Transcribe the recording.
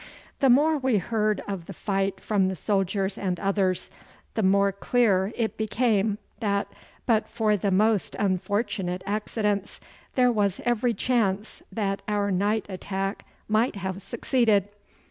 The more we heard of the fight from the soldiers and others, the more clear it became that, but for the most unfortunate accidents, there was every chance that our night attack might have succeeded.